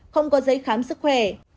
không có giấy khám sức khỏe